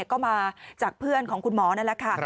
ก็มาจากเพื่อนของคุณหมอนั่นแหละค่ะ